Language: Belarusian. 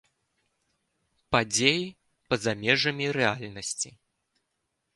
Падзеі па-за межамі рэальнасці.